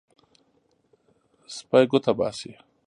سپی ګوته باسي.